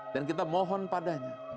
dan kita mohon padanya